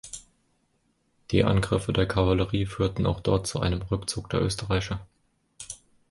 Die Angriffe der Kavallerie führten auch dort zu einem Rückzug der Österreicher.